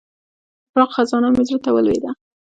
د فراق خزانه مې زړه ته ولوېده.